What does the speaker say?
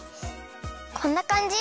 こんなかんじ？